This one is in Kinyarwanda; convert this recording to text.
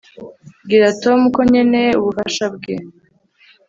bwira tom ko nkeneye ubufasha bwe